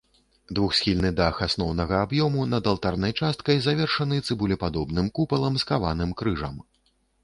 Двухсхільны дах асноўнага аб'ёму над алтарнай часткай завершаны цыбулепадобным купалам з каваным крыжам.